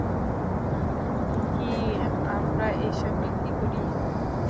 কী, আমরা এইসব বিক্রি করি?